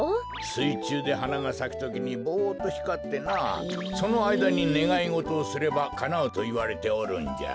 すいちゅうではながさくときにぼっとひかってなあそのあいだにねがいごとをすればかなうといわれておるんじゃ。